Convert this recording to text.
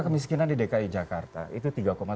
kemiskinan di dki jakarta itu